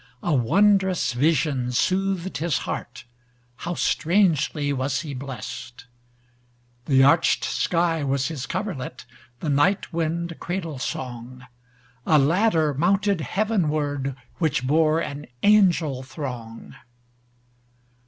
A wondrous vision soothed his heartHow strangely was he blessed! The arched sky was his coverlet, The night wind cradle song;A ladder mounted heavenwardWhich bore an angel throng.